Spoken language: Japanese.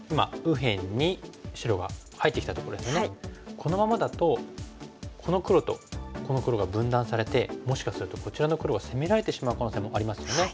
このままだとこの黒とこの黒が分断されてもしかするとこちらの黒が攻められてしまう可能性もありますよね。